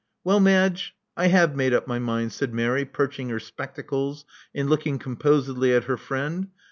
"Well, Madge, I have made up my mind," said Mary, perching her spectacles, and looking composedly at her friend.